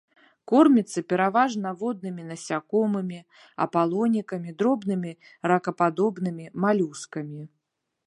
Корміцца пераважна воднымі насякомымі, апалонікамі, дробнымі ракападобнымі, малюскамі.